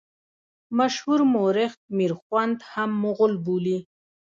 مشهور مورخ میرخوند هم مغول بولي.